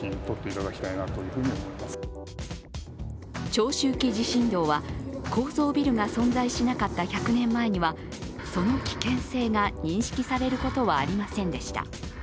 長周期地震動は高層ビルが存在しなかった１００年前にはその危険性が認識されることはありませんでした。